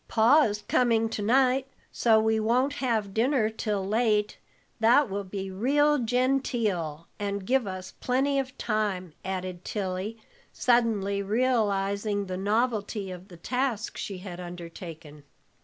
"Pa is coming to night, so we won't have dinner till late; that will be real genteel and give us plenty of time," added Tilly, suddenly realizing the novelty of the task she had undertaken.